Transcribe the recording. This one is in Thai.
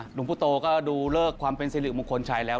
หนุ่มผู้โตก็ดูเลิกความเป็นศิริมควรชัยแล้ว